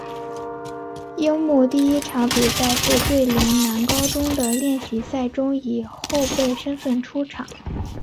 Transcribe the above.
樱木第一场比赛是对陵南高中的练习赛中以后备身份出场。